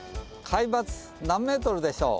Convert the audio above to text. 海抜何メートルでしょう？